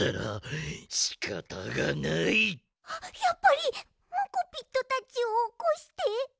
やっぱりモコピットたちをおこして。